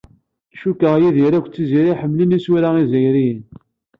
Cukkeɣ Yidir akked Tiziri ḥemmlen isura izzayriyen.